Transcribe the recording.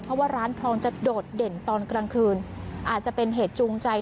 เพราะว่าร้านทองจะโดดเด่นตอนกลางคืนอาจจะเป็นเหตุจูงใจ